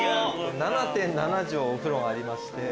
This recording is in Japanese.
７．７帖お風呂がありまして